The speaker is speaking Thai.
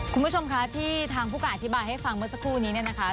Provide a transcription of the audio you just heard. คุณผู้ชมคะที่ทางผู้การอธิบายให้ฟังเมื่อสักครู่นี้เนี่ยนะคะ